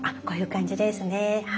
こういう感じですね。